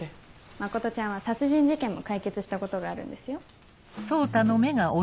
真ちゃんは殺人事件も解決したことがあるんですよ。